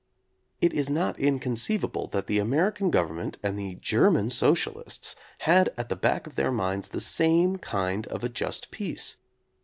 It is not inconceivable that the American government and the German socialists had at the back of their minds the same kind of a just peace.